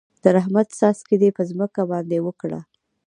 د رحمت څاڅکي دې په دې ځمکه باندې وکره.